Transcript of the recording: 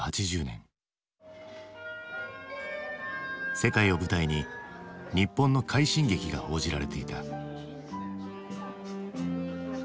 世界を舞台に日本の快進撃が報じられていた。